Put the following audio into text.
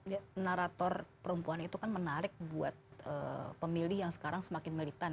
ya narator perempuan itu kan menarik buat pemilih yang sekarang semakin militan